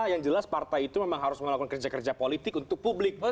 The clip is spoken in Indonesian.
yang jelas partai itu memang harus melakukan kerja kerja politik untuk publik